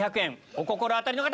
お心当たりの方！